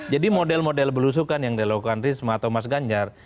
model model belusukan yang dilakukan risma atau mas ganjar